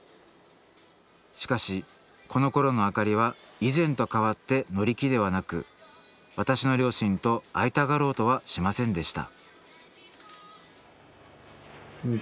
しかしこのころの明里は以前と変わって乗り気ではなく私の両親と会いたがろうとはしませんでした